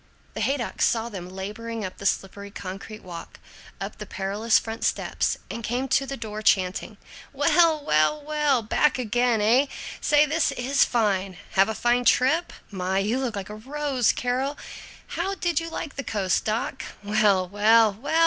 The Haydocks saw them laboring up the slippery concrete walk, up the perilous front steps, and came to the door chanting: "Well, well, well, back again, eh? Say, this is fine! Have a fine trip? My, you look like a rose, Carol. How did you like the coast, doc? Well, well, well!